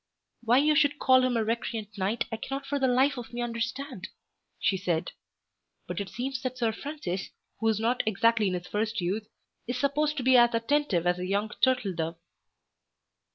"Why you should call him a recreant knight, I cannot for the life of me understand," she said. "But it seems that Sir Francis, who is not exactly in his first youth, is supposed to be as attentive as a young turtle dove."